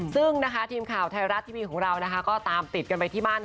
ซึ่งนะคะทีมข่าวไทยรัฐทีวีของเรานะคะก็ตามติดกันไปที่บ้าน